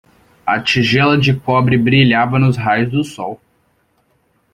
A tigela de cobre brilhava nos raios do sol.